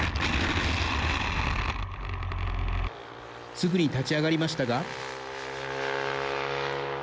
すぐに立ち上がりましたが。